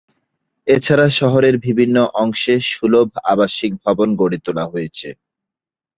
এছাড়া শহরের বিভিন্ন অংশে সুলভ আবাসিক ভবন গড়ে তোলা হয়েছে।